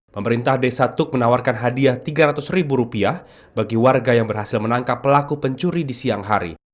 pemerintah desa tuk menawarkan hadiah tiga ratus ribu rupiah bagi warga yang berhasil menangkap pelaku pencuri di siang hari